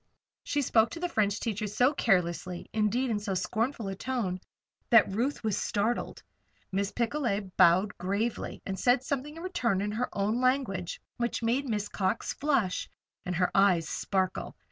She spoke to the French teacher so carelessly indeed, in so scornful a tone that Ruth was startled. Miss Picolet bowed gravely and said something in return in her own language which made Miss Cox flush, and her eyes sparkle.